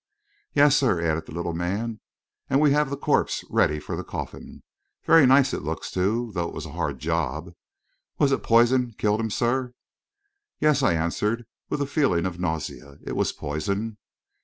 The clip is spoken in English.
"Yes, sir," added the little man; "and we have the corpse ready for the coffin. Very nice it looks, too; though it was a hard job. Was it poison killed him, sir?" "Yes," I answered, with a feeling of nausea, "it was poison."